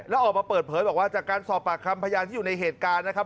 แล้วออกมาเปิดเผยบอกว่าจากการสอบปากคำพยานที่อยู่ในเหตุการณ์นะครับ